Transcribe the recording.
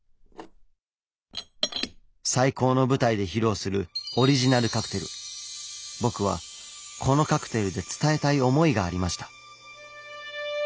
最高の舞台で披露する僕はこのカクテルで伝えたい思いがありました。